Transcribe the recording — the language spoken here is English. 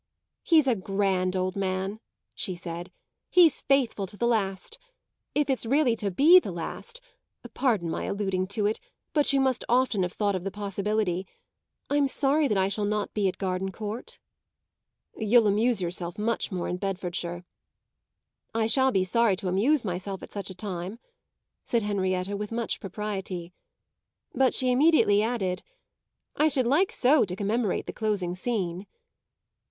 "He's a grand old man," she said; "he's faithful to the last. If it's really to be the last pardon my alluding to it, but you must often have thought of the possibility I'm sorry that I shall not be at Gardencourt." "You'll amuse yourself much more in Bedfordshire." "I shall be sorry to amuse myself at such a time," said Henrietta with much propriety. But she immediately added: "I should like so to commemorate the closing scene."